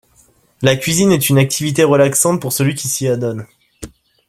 La cuisine est une activité relaxante pour celui qui s'y adonne